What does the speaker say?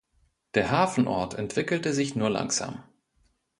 Der Hafenort entwickelte sich nur langsam.